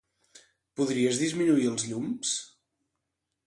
Podries disminuir els llums?